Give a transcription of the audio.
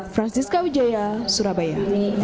francisca wijaya surabaya